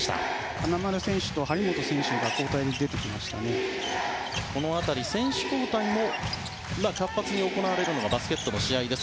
金丸選手と張本選手が選手交代も活発に行われるのがバスケットの試合です。